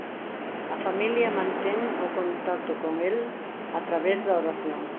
A familia mantén o contacto con el a través da oración.